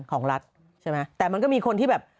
ของรัฐใช่ไหมแต่มันก็มีคนที่แบบ